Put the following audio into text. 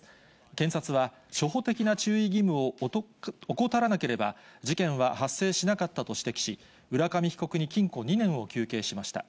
検察は初歩的な注意義務を怠らなければ、事件は発生しなかったと指摘し、浦上被告に禁錮２年を求刑しました。